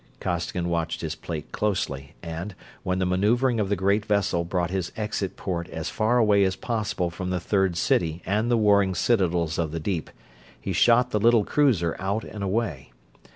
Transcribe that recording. Costigan watched his plate closely, and, when the maneuvering of the great vessel brought his exit port as far away as possible from the Third City and the warring citadels of the deep, he shot the little cruiser out and away.